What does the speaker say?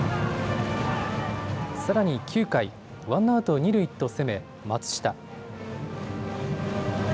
さらに９回、ワンアウト二塁と攻め松下。